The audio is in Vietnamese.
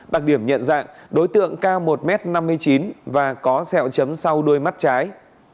đặc điểm nhận dạng đối tượng cao một m năm mươi chín và có sẹo chấm sau đuôi mắt trái